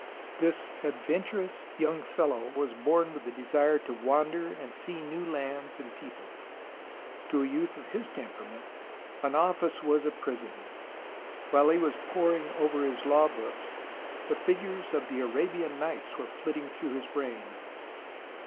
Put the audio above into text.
This adventurous young fellow was born with the desire to wander and see new lands and peoples. To a youth of his temperament, an office was a prison. While he was poring over his law books, the figures of the Arabian Nights were flitting through his brain.